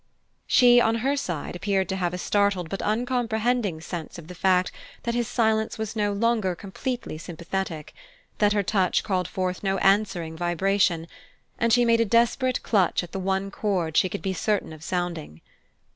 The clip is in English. She, on her side, appeared to have a startled but uncomprehending sense of the fact that his silence was no longer completely sympathetic, that her touch called forth no answering vibration; and she made a desperate clutch at the one chord she could be certain of sounding.